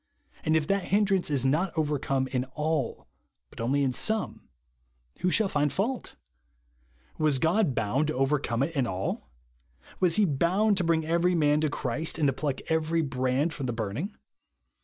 And if that hindrance is not overcome in all, but only in some, who shall find fault ? Was God bound to overcome it in all ?. Was he bound to bring every man to Christ, and to pluck every brand from the burning